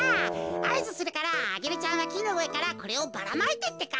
あいずするからアゲルちゃんはきのうえからこれをばらまいてってか。